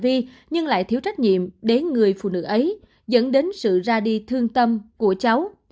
vì nhưng lại thiếu trách nhiệm đến người phụ nữ ấy dẫn đến sự ra đi thương tâm của cháu